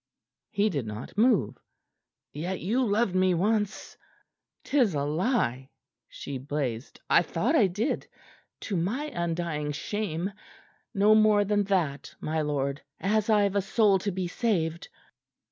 He did not move. "Yet you loved me once " "'Tis a lie!" she blazed. "I thought I did to my undying shame. No more than that, my lord as I've a soul to be saved."